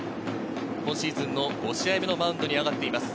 今シーズン５試合目のマウンドに上がっています。